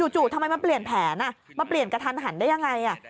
จู่ทำไมมันเปลี่ยนแผนมาเปลี่ยนกระทันหันได้ยังไง